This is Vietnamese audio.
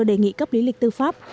đề nghị cấp lý lý tư pháp